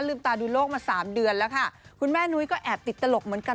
ตาดูโลกมาสามเดือนแล้วค่ะคุณแม่นุ้ยก็แอบติดตลกเหมือนกัน